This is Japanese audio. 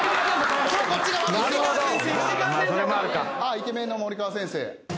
イケメンの森川先生。